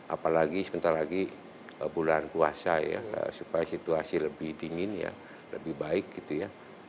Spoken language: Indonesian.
apalagi sebentar lagi bulan puasa ya supaya situasi lebih dingin ya lebih baik gitu ya